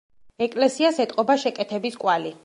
ეკლესიას ეტყობა შეკეთების კვალი.